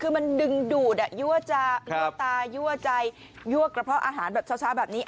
คือมันดึงดูดยั่วจะยั่วตายั่วใจยั่วกระเพาะอาหารแบบเช้าแบบนี้